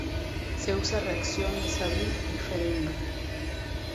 Se usa reacción de Sabin y Feldman.